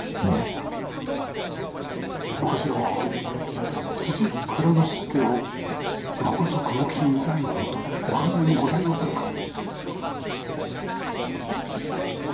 長官は辻蔵之助をまこと雲霧仁左衛門とお考えにございまするか？